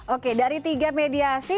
oke dari tiga mediasi